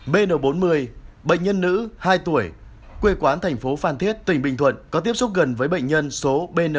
bn bốn mươi bệnh nhân nữ hai tuổi quê quán thành phố phan thiết tỉnh bình thuận có tiếp xúc gần với bệnh nhân số bn ba mươi bốn